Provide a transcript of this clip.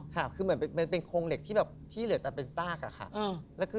ค่ะคือเหมือนมันเป็นโครงเหล็กที่แบบที่เหลือแต่เป็นซากอะค่ะ